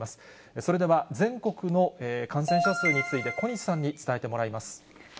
それでは、全国の感染者数について、小西さんに伝えてもらいます。